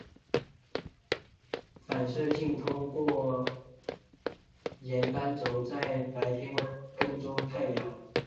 反射镜通过沿单轴在白天跟踪太阳。